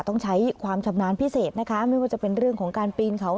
ต้องใช้ความชำนาญพิเศษนะคะไม่ว่าจะเป็นเรื่องของการปีนเขา